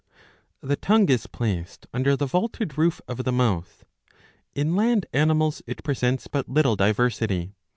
The tongue is placed under the vaulted roof of the mouth. In land animals it presents but little diversity.